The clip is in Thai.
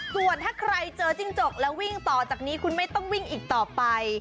ส่วนถ้าใครเจอจิ้งจกแล้ววิ่งต่อจากนี้คุณไม่ต้องวิ่งอีกต่อไป